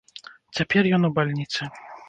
Цяпер ён у бальніцы.